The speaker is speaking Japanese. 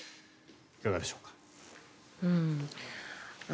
いかがでしょうか。